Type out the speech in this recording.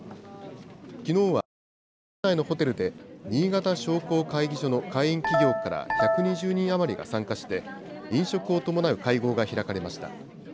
きのうは新潟市内のホテルで、新潟商工会議所の会員企業から１２０人余りが参加して、飲食を伴う会合が開かれました。